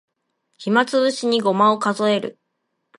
暇つぶしにごまを数える